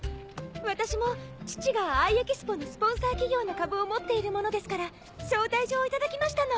私も父がＩ・エキスポのスポンサー企業の株を持っているものですから招待状を頂きましたの。